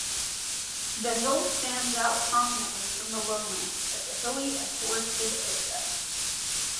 The hill stands out prominently from the lowlands as a hilly and forested area.